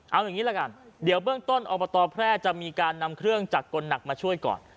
เอาอย่างนี้ละกันเดี๋ยวเบื้องต้นอบตแพร่จะมีการนำเครื่องจักรกลหนักมาช่วยก่อน